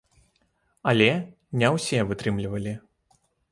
Але не ўсе вытрымлівалі.